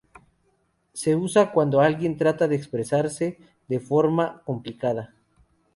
Se usa cuando alguien trata de expresarse de una forma complicada.